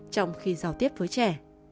trong khi giao tiếp với trẻ